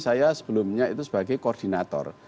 saya sebelumnya itu sebagai koordinator